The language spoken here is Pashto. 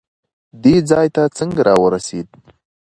دې ځای ته څنګه راورسېد؟